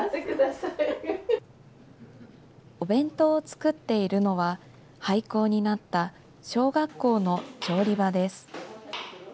お弁当を作っているのは、廃校になった小学校の調理場です。